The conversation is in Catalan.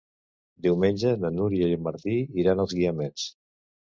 Diumenge na Núria i en Martí iran als Guiamets.